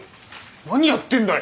何やってんだよ！